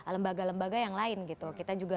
lembaga lembaga yang lain gitu kita juga